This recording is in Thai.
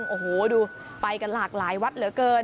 โอ้โหดูไปกันหลากหลายวัดเหลือเกิน